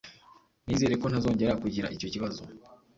Nizere ko ntazongera kugira icyo kibazo.